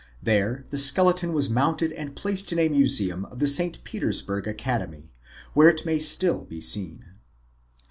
There the skeleton was mounted and placed in the museum of the St. Petersburg Academy, where it may still be seen.